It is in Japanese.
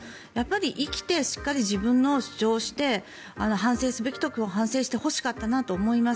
生きてしっかり自分の主張をして反省すべきところを反省してほしかったなと思います。